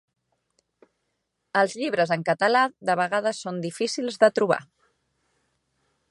Els llibres en català de vegades són difícils de trobar.